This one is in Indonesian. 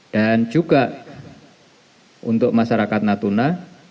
dan juga untuk masyarakat natuna